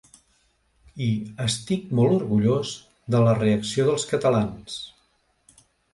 I estic molt orgullós de la reacció dels catalans.